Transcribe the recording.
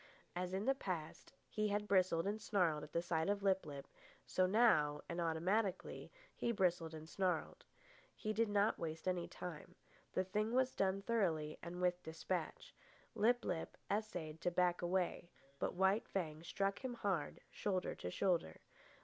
As in the past he had bristled and snarled at sight of Lip lip, so now, and automatically, he bristled and snarled. He did not waste any time. The thing was done thoroughly and with despatch. Lip lip essayed to back away, but White Fang struck him hard, shoulder to shoulder.